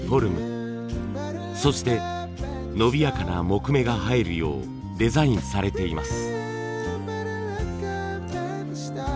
そして伸びやかな木目が映えるようデザインされています。